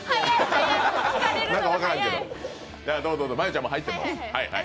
真悠ちゃんも入って。